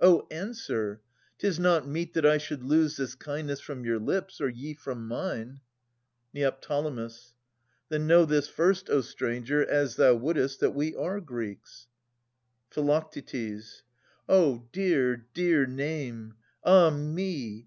Oh answer ! 'Tis not meet that I should lose This kindness from your lips, or ye from mine. Neo. Then know this first, O stranger, as thou wouldest. That we are Greeks. Phi. O dear, dear name ! Ah me